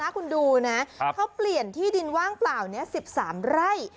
คุณดูนะเขาเปลี่ยนที่ดินว่างเปล่านี้๑๓ไร่